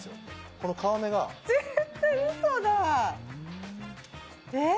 この皮目が絶対ウソだえ！？